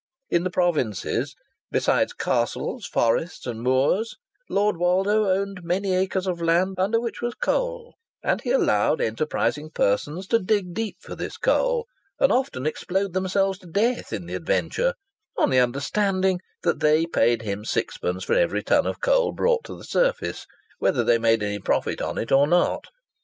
In the provinces, besides castles, forests and moors, Lord Woldo owned many acres of land under which was coal, and he allowed enterprising persons to dig deep for this coal, and often explode themselves to death in the adventure, on the understanding that they paid him sixpence for every ton of coal brought to the surface, whether they made any profit on it or not.